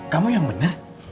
kamu yang bener